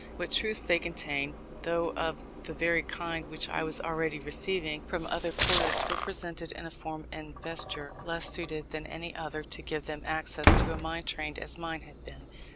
What truths they contained, though of the very kind which I was already receiving from other quarters, were presented in a form and vesture less suited than any other to give them access to a mind trained as mine had been.